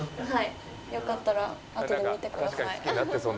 よかったらあとで見てください。